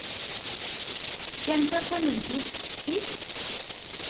Tekkamt akk anebdu deg teftist?